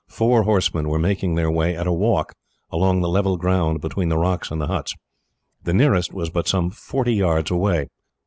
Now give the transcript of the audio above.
Four horsemen were making their way, at a walk, along the level ground between the rocks and the huts. The nearest was but some forty yards away.